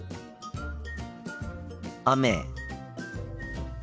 雨。